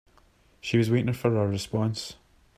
She was waiting for her response.